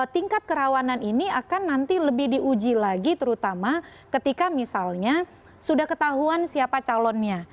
tingkat kerawanan ini akan nanti lebih diuji lagi terutama ketika misalnya sudah ketahuan siapa calonnya